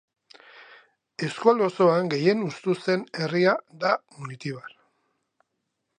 Eskualde osoan gehien hustu zen herria da Munitibar.